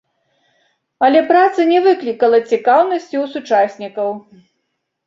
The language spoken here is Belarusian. Але праца не выклікала цікаўнасці ў сучаснікаў.